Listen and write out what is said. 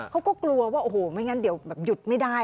เขาก็กลัวว่าโอ้โหไม่งั้นเดี๋ยวแบบหยุดไม่ได้